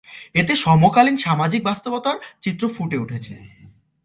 এতে সমকালীন সামাজিক বাস্তবতার চিত্র ফুটে উঠেছে।